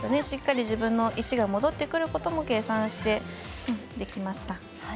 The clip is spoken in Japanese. しっかり自分の石が戻ってくることも計算してできました。